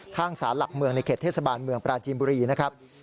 ข้างสารหลักเมืองในเขตเทศบาลเมืองปราจีนบุรีนะครับ